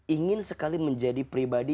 ingin sekali menjadi pribadi